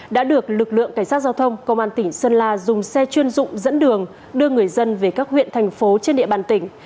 đã được lực lượng cảnh sát giao thông công an tỉnh sơn la dùng xe chuyên dụng dẫn đường đưa người dân về các huyện thành phố trên địa bàn tỉnh